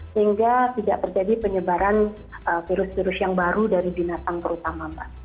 sehingga tidak terjadi penyebaran virus virus yang baru dari binatang terutama mbak